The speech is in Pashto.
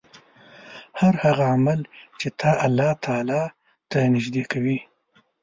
هر هغه عمل چې تا الله تعالی ته نژدې کوي